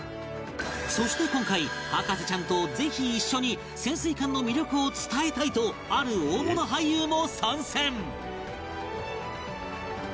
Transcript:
そして今回博士ちゃんとぜひ一緒に潜水艦の魅力を伝えたいとある大物俳優も参戦！